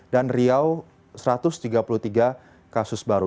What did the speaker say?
dan riau satu ratus tiga puluh tiga kasus baru